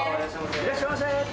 いらっしゃいませ。